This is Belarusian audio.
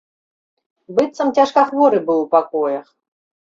Быццам цяжкахворы быў у пакоях.